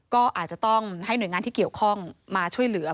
ก็อาจจะต้องให้หน่วยงานที่เกี่ยวข้องมาช่วยเหลือ